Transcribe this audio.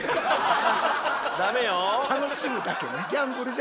楽しむだけね。